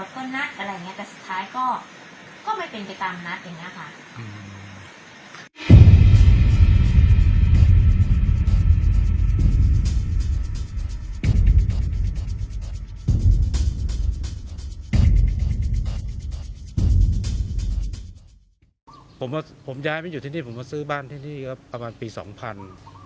ผมว่าผมย้ายมาอยู่ที่นี่ผมมาซื้อบ้านที่นี่ก็ประมาณปีสองพัน